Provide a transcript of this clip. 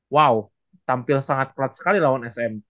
wow tampil sangat pelat sekali lawan sm